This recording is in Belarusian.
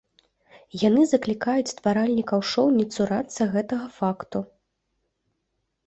Яны заклікаюць стваральнікаў шоў не цурацца гэтага факту.